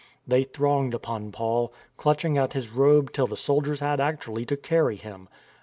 They thronged upon Paul, clutching at his robe till the soldiers had actually to carry him.